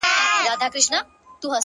ښکلا د دې؛ زما،